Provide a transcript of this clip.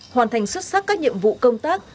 hoàn thành xuất sắc các nhiệm vụ công tác